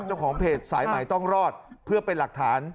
เจ้าของเพจสายใหม่ต้องรอดเพื่อเป็นหลักฐาน